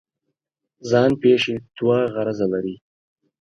ځان پېښې دوه غرضه لري.